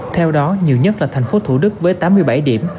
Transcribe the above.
theo đó nhiều nhất là thành phố thủ đức với tám mươi bảy điểm